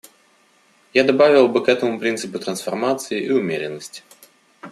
Я добавил бы к этому принципы трансформации и умеренности.